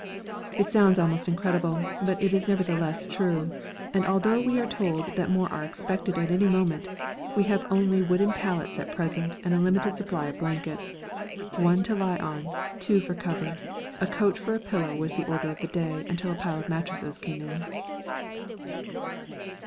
It sounds almost incredible, but it is nevertheless true; and although we are told that more are expected at any moment, we have only wooden pallets at present and a limited supply of blankets. One to lie on, two for cover, a coat for a pillow was the order of the day until a pile of mattresses came in.